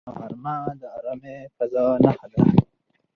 غرمه د آرامې فضاء نښه ده